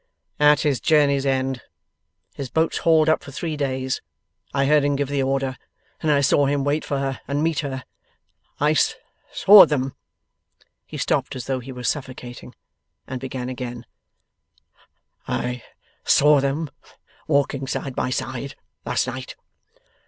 'At his journey's end. His boat's hauled up for three days. I heard him give the order. Then, I saw him wait for her and meet her. I saw them' he stopped as though he were suffocating, and began again 'I saw them walking side by side, last night.